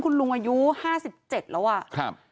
คุณลุงอายุห้าสิบเจ็ดแล้วอ่ะครับ